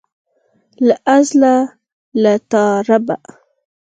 له ازله له تا ربه.